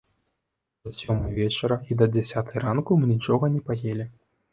З сёмай вечара і да дзясятай ранку мы нічога не паелі.